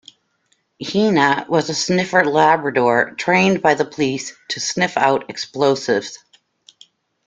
Heena was a sniffer Labrador trained by the police to sniff out explosives.